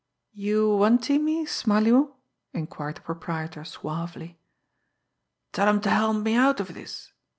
"You wantee me, Smarly'oo?" inquired the proprietor suavely. "Tell 'em to help me out of this."